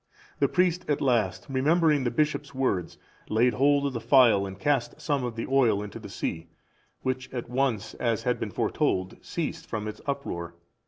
The priest at last, remembering the bishop's words, laid hold of the phial and cast some of the oil into the sea, which at once, as had been foretold, ceased from its uproar.